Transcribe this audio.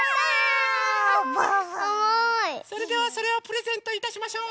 それではそれをプレゼントいたしましょう。